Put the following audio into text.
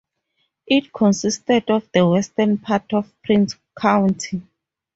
It consisted of the western part of Prince County.